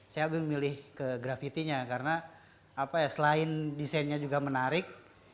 saya lebih memilih ke grafitinya karena selain desainnya juga menarik